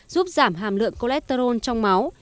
giúp giảm hàm lượng cô lét trôn trong máu